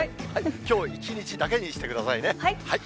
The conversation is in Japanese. きょう一日だけにしてくださいね。